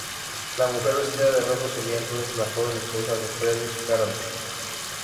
La mujer vestida de rojo sería entonces la joven esposa de Friedrich, Caroline.